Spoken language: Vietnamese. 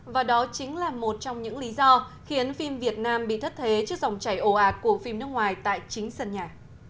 và đó chính là một trong những lý do khiến phim việt nam bị thất thế trước dòng chảy ồ ạt của phim nước ngoài tại chính sân nhà